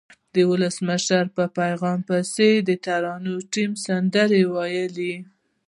ولسمشر په پیغام پسې د ترانې ټیم سندره وویله.